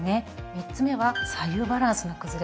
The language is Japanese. ３つ目は左右バランスの崩れ。